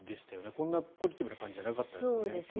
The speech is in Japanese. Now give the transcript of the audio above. こんなポジティブな感じじゃなかったですよね。